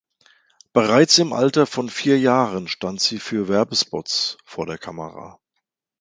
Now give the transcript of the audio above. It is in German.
Bereits im Alter von vier Jahren stand sie für Werbespots vor der Kamera.